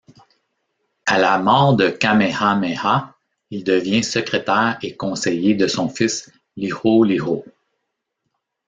A la mort de Kamehameha, il devient secrétaire et conseiller de son fils Liholiho.